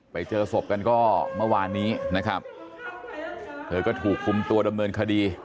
ไปเจอศพกันก็เมื่อวานนี้นะครับเธอก็ถูกคุมตัวดำเนินคดี